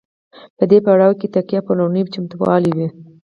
په دې پړاو کې تکیه پر لومړنیو چمتووالو وي.